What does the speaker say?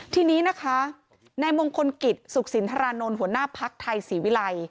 ทีนี้นะคะนายมงคลกิจสุขสินทรานนท์หัวหน้าภักดิ์ไทยศรีวิลัย